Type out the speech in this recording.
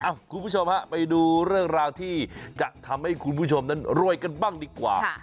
คุณผู้ชมฮะไปดูเรื่องราวที่จะทำให้คุณผู้ชมนั้นรวยกันบ้างดีกว่า